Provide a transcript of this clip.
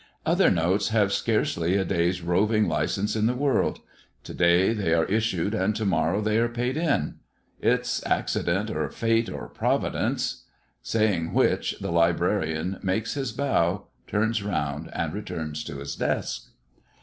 Other notes have scarcely a day's roving license in the world; to day they are issued, and to morrow they are paid in. It's accident, or fate, or Providence." Saying which the librarian makes his bow, turns round, and returns to his desk.